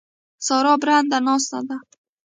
سارا برنده ناسته ده.